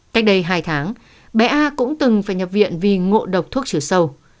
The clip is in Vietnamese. cách đây hai tháng bé a cũng từng phải nhập viện vì ngộ độc thuốc trừ sâu